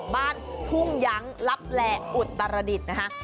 บ้านทุ่งยั้งลับแหล่อุตรดิษฐ์นะคะ